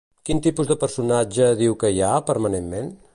Quin tipus de personatge diu que hi ha, permanentment?